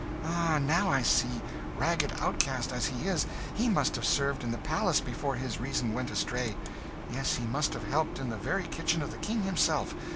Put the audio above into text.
Ah, now I see! ragged outcast as he is, he must have served in the palace before his reason went astray; yes, he must have helped in the very kitchen of the King himself!